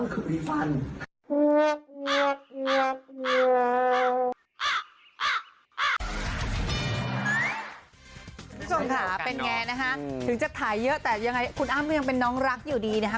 คุณผู้ชมค่ะเป็นไงนะคะถึงจะถ่ายเยอะแต่ยังไงคุณอ้ำก็ยังเป็นน้องรักอยู่ดีนะคะ